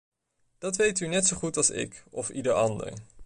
Dat weet u net zo goed als ik of ieder ander.